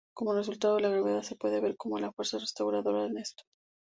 Como resultado, la gravedad se puede ver como la fuerza restauradora en esto.